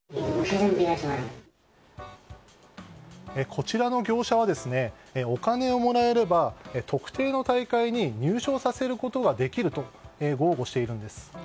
こちらの業者はお金をもらえれば特定の大会に入賞させることができると豪語しているんです。